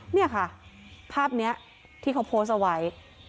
นี่ค่ะภาพนี้ที่เขาโพสต์เอาไว้